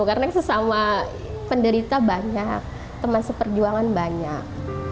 karena sesama penderita banyak teman seperjuangan banyak